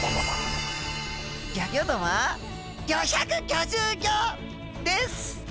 ギョギョ度は５５５です！